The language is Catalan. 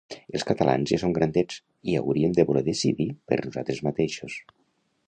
Els catalans ja som grandets i hauríem de voler decidir per nosaltres mateixos.